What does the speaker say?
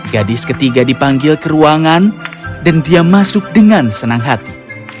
gadis ketiga dipanggil ke ruangan dan dia masuk dengan senang hati